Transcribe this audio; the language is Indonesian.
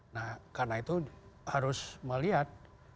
nah karena itu harus melihat